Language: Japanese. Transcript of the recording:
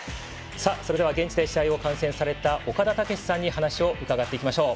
それでは現地で試合を観戦された岡田武史さんに話を伺っていきましょう。